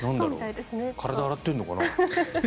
体、洗ってるのかな？